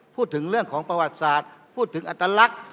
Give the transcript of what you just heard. พูดถึงเรื่องของประวัติศาสตร์พูดถึงอัตลักษณ์